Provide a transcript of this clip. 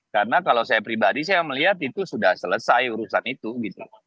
karena kalau saya pribadi saya melihat itu sudah selesai urusan itu gitu